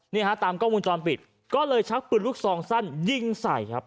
นี่ฮะตามกล้องวงจรปิดก็เลยชักปืนลูกซองสั้นยิงใส่ครับ